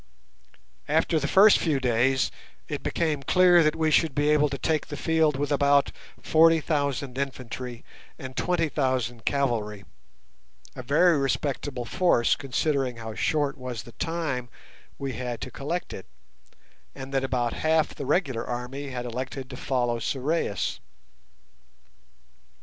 After the first few days it became clear that we should be able to take the field with about forty thousand infantry and twenty thousand cavalry, a very respectable force considering how short was the time we had to collect it, and that about half the regular army had elected to follow Sorais.